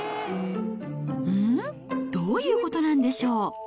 うん？どういうことなんでしょう。